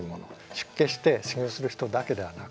出家して修行する人だけではなくてですね